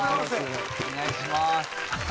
お願いします。